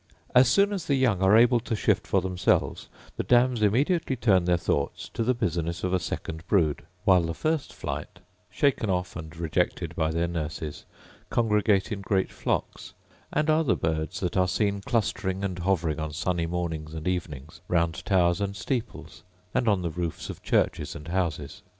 As soon as the young are able to shift for themselves, the dams immediately turn their thoughts to the business of a second brood: while the first flight, shaken off and rejected by their nurses, congregate in great flocks, and are the birds that are seen clustering and hovering on sunny mornings and evenings round towers and steeples, and on the mobs of churches and houses.